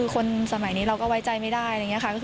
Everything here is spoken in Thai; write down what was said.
คนสมัยนี้เราก็ไว้ใจไม่ได้